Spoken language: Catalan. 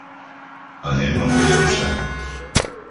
Anem a Mollerussa.